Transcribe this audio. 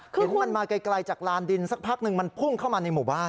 เห็นมันมาไกลจากลานดินสักพักหนึ่งมันพุ่งเข้ามาในหมู่บ้าน